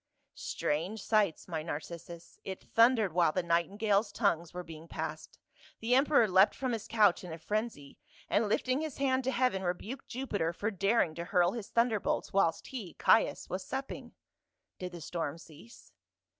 " Strange sights, my Narcissus. It thundered while CAWS, THE GOD. 153 the nightingale's tongues were being passed, the em peror leapt from his couch in a frenzy, and Hfting his hand to heaven rebuked Jupiter for daring to hurl his thunderbolts whilst he, Caius, was supping." " Did the storm cease